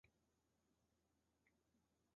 用四肢行走。